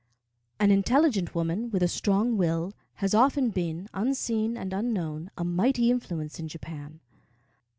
An intelligent woman, with a strong will, has often been, unseen and unknown, a mighty influence in Japan.